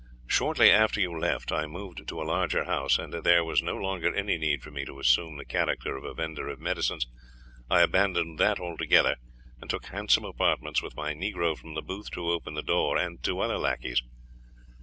Shortly after you left I moved to a larger house, and as there was no longer any need for me to assume the character of a vendor of medicines I abandoned that altogether, and took handsome apartments, with my negro from the booth to open the door, and two other lackeys.